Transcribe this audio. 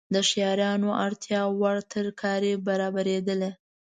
د ښاریانو اړتیاوړ ترکاري برابریدله.